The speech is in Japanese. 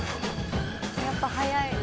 やっぱ早い。